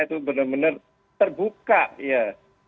itu benar benar terbuka ya